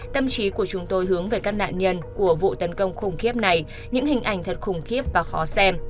tâm trí của chúng tôi hướng về các nạn nhân của vụ tấn công khủng khiếp này những hình ảnh thật khủng khiếp và khó xem